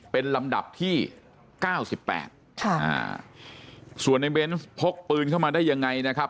เป็นลำดับที่๙๘ส่วนในเบนส์พกปืนเข้ามาได้ยังไงนะครับ